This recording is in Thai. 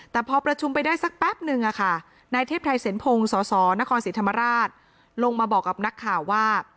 แต่พอประชุมไปได้สักแป๊บนึงนายเทพไทยเสนพงศ์สสนครศรีธรรมราชลงมาบอกกับนักข่าวว่า